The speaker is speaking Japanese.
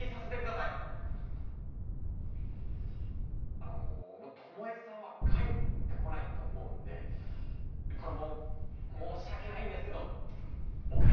あのもう巴さんは帰ってこないと思うんでこれも申し訳ないんですけどお返しします。